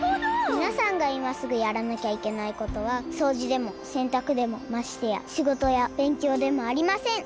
みなさんがいますぐやらなきゃいけないことはそうじでもせんたくでもましてやしごとやべんきょうでもありません。